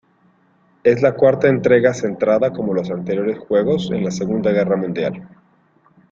Es la cuarta entrega centrada como los anteriores juegos, en la Segunda Guerra Mundial.